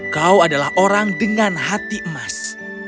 kau adalah orang dengan hati emas